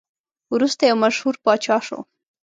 وروسته یو مشهور پاچا شو.